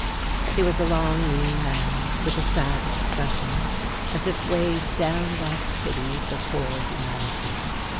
He was a long, lean man, with a sad expression, as if weighed down by pity for poor humanity.